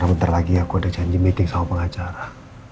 di tho printer lagi aku ada janji meeting sama pengacara